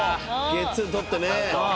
ゲッツー取ってね。